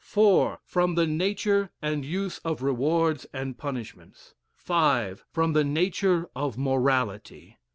(4) From the nature and use of rewards and punishments. (5) From the nature of morality.